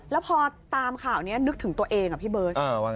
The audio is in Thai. แล้วพอตามข่าวนี้นึกถึงตัวเองอะพี่เบิร์ต